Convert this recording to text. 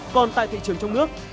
còn tại thị trường trong nước